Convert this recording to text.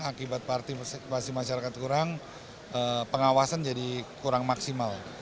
akibat partisipasi masyarakat kurang pengawasan jadi kurang maksimal